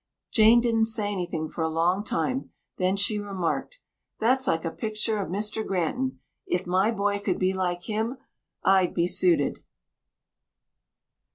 Jane didn't say anything for a long time, then she remarked, "That's like a pictur of Mr. Granton. If my boy could be like him, I'd be suited."